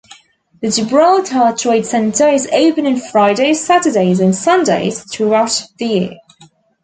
The Gibraltar Trade Center is open on Fridays, Saturdays, and Sundays throughout the year.